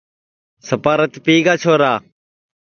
سپا رت پِیگا چھورا